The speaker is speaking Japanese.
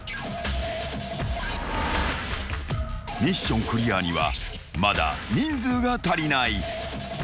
［ミッションクリアにはまだ人数が足りない］